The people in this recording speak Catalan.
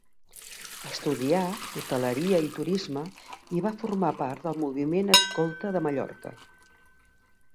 Estudià hoteleria i turisme i va formar part del Moviment Escolta de Mallorca.